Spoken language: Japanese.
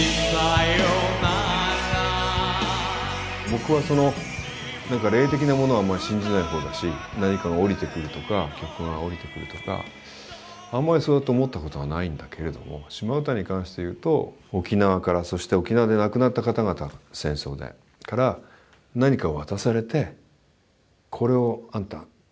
僕は霊的なものはあんまり信じない方だし何かが降りてくるとか曲が降りてくるとかあんまりそうやって思ったことがないんだけれども「島唄」に関して言うと沖縄からそして沖縄で亡くなった方々戦争でから何かを渡されて「これをあんた伝えてくれ」と外に。